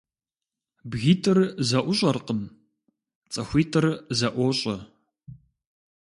БгитIыр зэIущIэркъым, цIыхуитIыр зэIуощIэ.